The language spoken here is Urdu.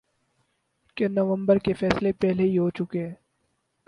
کہ نومبر کے فیصلے پہلے ہی ہو چکے ہیں۔